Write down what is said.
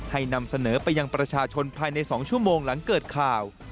นำเสนอไปยังประชาชนภายใน๒ชั่วโมงหลังเกิดข่าว